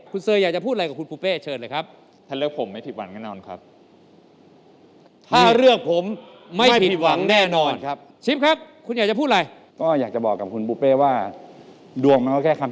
คุณเสออยากจะพูดอะไรกับคุณปูเปเชิญเลยครับ